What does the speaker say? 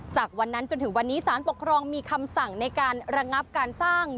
จากวันนั้นจนถึงวันนี้สารปกครองมีคำสั่งในการระงับการสร้าง